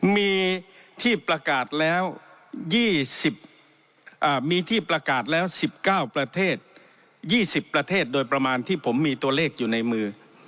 มีที่ประกาศแล้ว๑๙ประเทศ๒๐ประเทศโดยประมาณที่ผมมีตัวเลขอยู่ในมือ